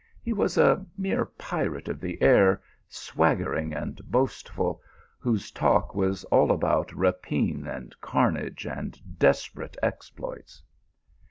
He was a mere pirate of the air, swaggering and boastful, whose talk was all about rapine, and carnage, and desperate exploits.